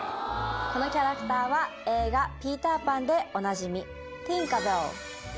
このキャラクターは映画『ピーター・パン』でおなじみ。